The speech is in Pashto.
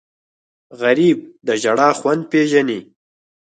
غریب د ژړا خوند پېژني